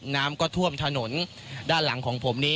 น้ำก็ท่วมถนนด้านหลังของผมนี้